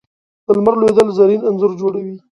د لمر لوېدل زرین انځور جوړوي